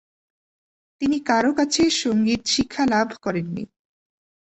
তিনি কারও কাছে সংগীত শিক্ষা লাভ করেননি।